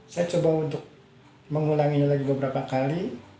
saya coba untuk mengulanginya lagi beberapa kali